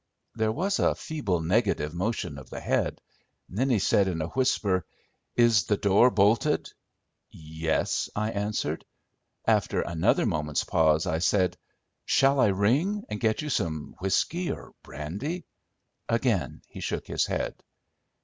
There was a feeble negative motion of the head. Then he said, in a whisper, "Is the door bolted?" "Yes," I answered. After another moment's pause, I said— "Shall I ring, and get you some whiskey or brandy?" Again he shook his head.